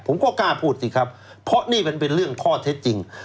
ผมก็กล้าพูดสิครับเพราะนี่มันเป็นเรื่องข้อเท็จจริง